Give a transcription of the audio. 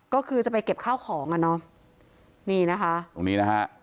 ก็คือจะไปเก็บข้าวของอ่ะเนาะนี่นะฮะ